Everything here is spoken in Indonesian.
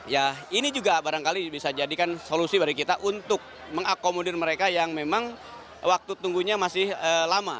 ya ini juga barangkali bisa jadikan solusi bagi kita untuk mengakomodir mereka yang memang waktu tunggunya masih lama